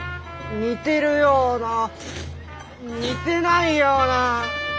似てるような似てないような。